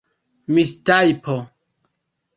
mistajpo